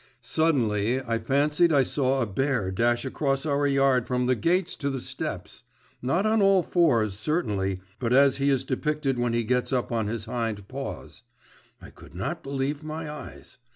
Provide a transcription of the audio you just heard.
Suddenly I fancied I saw a bear dash across our yard from the gates to the steps! Not on all fours, certainly, but as he is depicted when he gets up on his hind paws. I could not believe my eyes.